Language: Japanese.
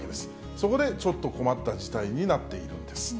そこでちょっと困った事態になっているんです。